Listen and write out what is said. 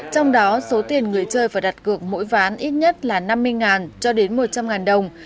trong đó số tiền người chơi phải đặt cược mỗi ván ít nhất là năm mươi cho đến một trăm linh đồng